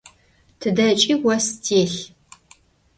Tıdeç'i vos têlh.